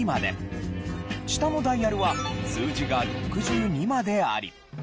下のダイヤルは数字が６２まであり。